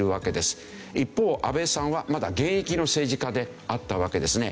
一方安倍さんはまだ現役の政治家であったわけですね。